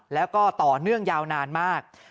แล้วก็ต่อเนื่องยาวนานมาก